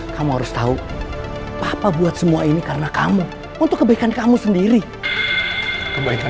kamu harus tahu apa apa buat semua ini karena kamu untuk kebaikan kamu sendiri kebaikan